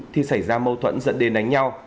thì xảy ra mâu thuẫn dẫn đến đánh nhau